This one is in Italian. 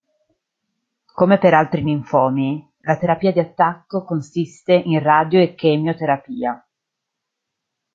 Come per altri linfomi, la terapia di attacco consiste in radio e chemioterapia.